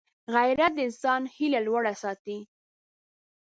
غیرت د انسان هیله لوړه ساتي